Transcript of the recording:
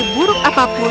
dan jika kita tidak berubah